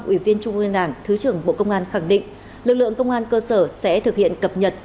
ủy viên trung ương đảng thứ trưởng bộ công an khẳng định lực lượng công an cơ sở sẽ thực hiện cập nhật